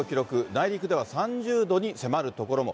内陸では３０度に迫る所も。